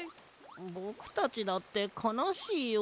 ぼくたちだってかなしいよ。